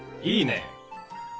いいね！